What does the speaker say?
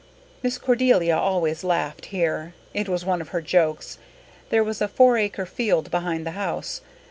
Miss Cordelia always laughed here. It was one of her jokes. There was a four acre field behind the house.